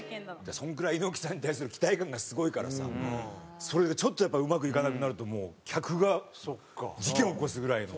そのくらい猪木さんに対する期待感がすごいからさそれがちょっとやっぱうまくいかなくなるともう客が事件を起こすぐらいの。